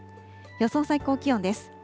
予想最高気温です。